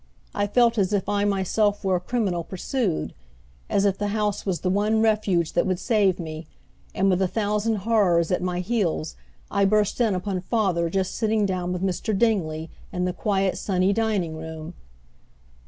I felt as if I myself were a criminal pursued, as if the house was the one refuge that would save me, and with a thousand horrors at my heels I burst in upon father just sitting down with Mr. Dingley, in the quiet, sunny dining room.